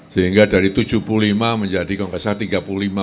sehingga dari tujuh puluh lima menjadi kalau nggak salah tiga puluh lima